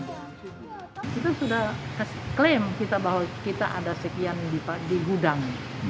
kita sudah klaim kita bahwa kita ada sekian di gudang